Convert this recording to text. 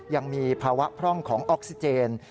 ยังมีภาวะพร่องของออกซิเจน